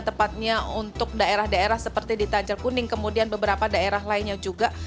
tepatnya untuk daerah daerah seperti di tanjar kuning kemudian beberapa daerah lainnya juga